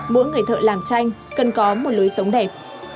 mỗi người thợ làm tranh cần có một lối sống đẹp